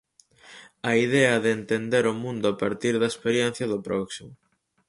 A idea de entender o mundo a partir da experiencia do próximo.